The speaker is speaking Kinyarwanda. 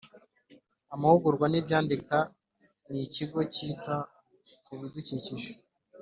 Amahugurwa n Ibyandikwa n Ikigo cyita ku bidukikije